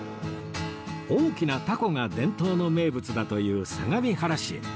大きな凧が伝統の名物だという相模原市へ